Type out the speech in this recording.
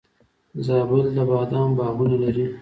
زابل د بادامو باغونه لري